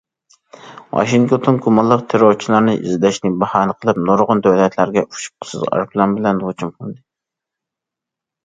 ۋاشىنگتون گۇمانلىق تېررورچىلارنى ئىزدەشنى باھانە قىلىپ نۇرغۇن دۆلەتلەرگە ئۇچقۇچىسىز ئايروپىلان بىلەن ھۇجۇم قىلدى.